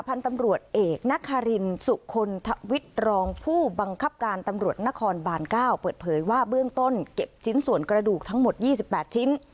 พันธุ์ตำรวจเอกนครินสุคลทวิทย์รองผู้บังคับการตำรวจนครบาน๙เปิดเผยว่าเบื้องต้นเก็บชิ้นส่วนกระดูกทั้งหมด๒๘ชิ้น